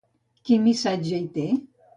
Quin missatge hi té?